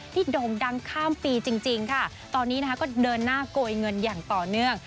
โด่งดังข้ามปีจริงค่ะตอนนี้นะคะก็เดินหน้าโกยเงินอย่างต่อเนื่อง